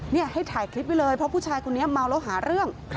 นี่ให้ถ่ายคลิปไว้เลยเพราะผู้ชายคนนี้เมาแล้วหาเรื่อง